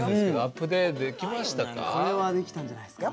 これはできたんじゃないっすか？